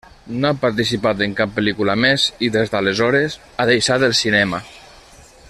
No ha participat en cap pel·lícula més i des d'aleshores ha deixat el cinema.